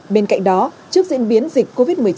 bên cạnh đó trước diễn biến dịch covid một mươi chín